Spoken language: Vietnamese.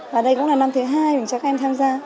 và đây cũng là năm thứ hai mình cho các em tham gia